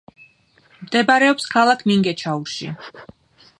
მდებარეობს ქალაქ მინგეჩაურში.